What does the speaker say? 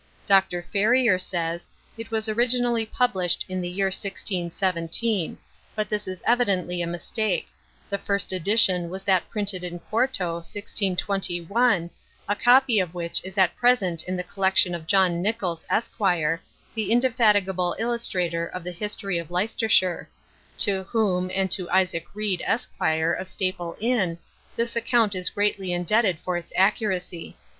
Dr. Ferriar says, it was originally published in the year 1617; but this is evidently a mistake; the first edition was that printed in 4to, 1621, a copy of which is at present in the collection of John Nichols, Esq., the indefatigable illustrator of the History of Leicestershire; to whom, and to Isaac Reed, Esq., of Staple Inn, this account is greatly indebted for its accuracy.